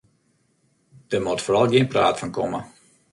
Der moat foaral gjin praat fan komme.